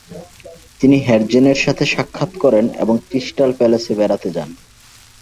তিনি হের্জেনের সাথে সাক্ষাৎ করেন এবং ক্রিস্টাল প্যালেসে বেড়াতে যান।